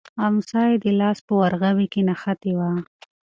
امسا یې د لاس په ورغوي کې نښتې وه.